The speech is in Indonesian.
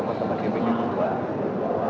memang jawa timur dan teman teman di bdm dua